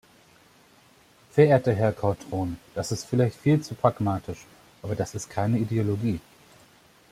Verehrter Herr Caudron, das ist vielleicht viel zu pragmatisch, aber das ist keine Ideologie.